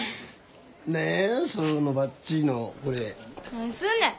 何すんねん！